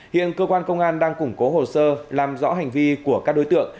hiện cơ quan công an đang củng cố hồ sơ làm rõ hành vi của các đối tượng